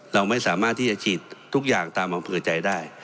เราไม่สามารถที่จะฉีดทุกอย่างตามอำเภอใจได้